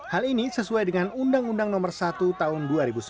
hal ini sesuai dengan undang undang nomor satu tahun dua ribu sembilan